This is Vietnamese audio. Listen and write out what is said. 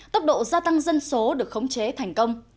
tốc độ gia tăng dân số được khống chế thành công